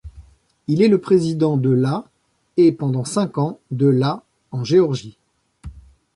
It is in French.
Il est le président de la et, pendant cinq ans, de la en Géorgie.